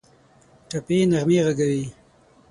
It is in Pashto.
ټپي نغمې ږغوي